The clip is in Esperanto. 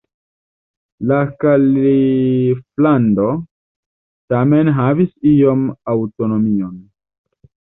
La kaliflando tamen havis iom aŭtonomion.